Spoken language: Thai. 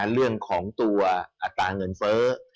เรื่องของตัวอัตราเงินเฟ้อ